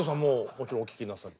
もちろんお聴きになって。